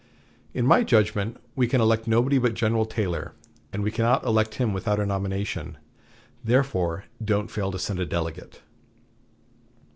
In my judgment, we can elect nobody but General Taylor; and we cannot elect him without a nomination. Therefore don't fail to send a delegate."